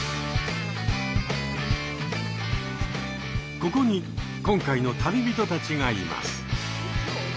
ここに今回の旅人たちがいます。